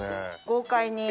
豪快に。